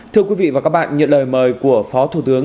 thưa quý vị và các bạn nhận lời mời của phó thủ tướng